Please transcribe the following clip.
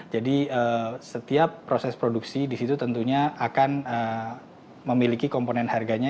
jadi setiap proses produksi di situ tentunya akan memiliki komponen harganya